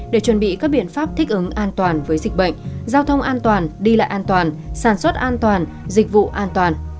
để chuẩn bị các biện pháp thích ứng an toàn với dịch bệnh giao thông an toàn đi lại an toàn sản xuất an toàn dịch vụ an toàn